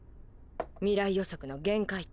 未来予測の限界点。